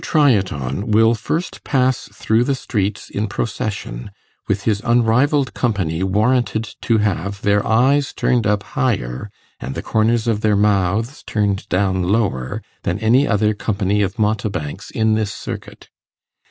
TRY IT ON Will first pass through the streets, in procession, with his unrivalled Company warranted to have their eyes turned up higher, and the corners of their mouths turned down lower, than any other company of Mountebanks in this circuit!